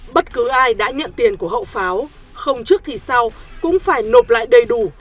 bất cứ ai đã nhận tiền của hậu pháo không trước thì sau cũng phải nộp lại đầy đủ